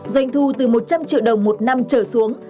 doanh thu từ một trăm linh triệu đồng một năm trở xuống